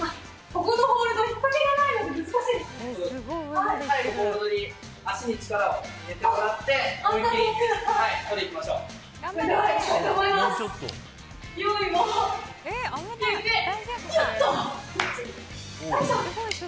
ここのホールド引っ込みがないので難しいです。